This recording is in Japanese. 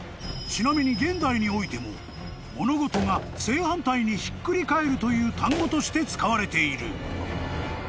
［ちなみに現代においても物事が正反対にひっくり返るという単語として使われている］